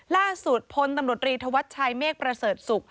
ล่าสุดพลตำรวจรีธวัชชัยเมฆประเสริฐศุกร์